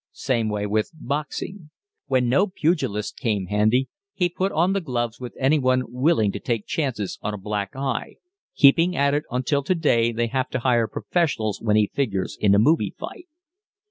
Same way with boxing. When no pugilists came handy, he put on the gloves with anyone willing to take chances on a black eye, keeping at it until today they have to hire professionals when he figures in a movie fight.